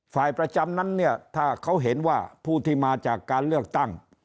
ฝ่ายประจำนั้นเนี่ยถ้าเขาเห็นว่าผู้ที่มาจากการเลือกตั้ง